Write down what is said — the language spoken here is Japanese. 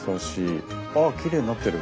あっきれいになってる。